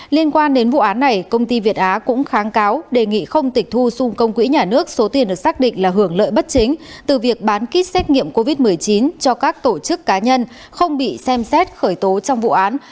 liên quan đến vụ án này công ty việt á cũng kháng cáo đề nghị không tịch thu xung công quỹ nhà nước số tiền được xác định là hưởng lợi bất chính từ việc bán kit xét nghiệm covid một mươi chín cho các tổ chức cá nhân không bị xem xét khởi tố trong vụ án